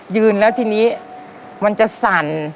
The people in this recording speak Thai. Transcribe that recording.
ยืนแล้วทีนี้มันจะสั่น